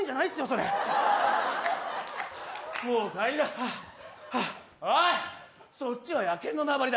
それもう帰りなおいそっちは野犬の縄張りだ